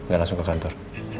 gak langsung ke kantor